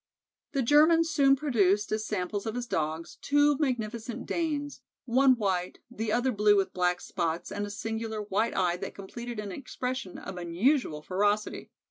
The German soon produced as samples of his Dogs, two magnificent Danes, one white, the other blue with black spots and a singular white eye that completed an expression of unusual ferocity.